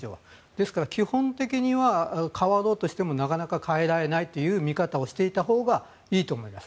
ですから、基本的には変わろうとしてもなかなか変えられないという見方をしていたほうがいいと思います。